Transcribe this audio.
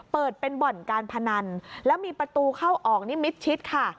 เปิดเป็นบ่อนการพนันแล้วมีประตูเข้าออกนิมิดชิดค่ะ